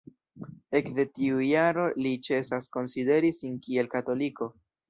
Ekde tiu jaro li ĉesas konsideri sin kiel katoliko.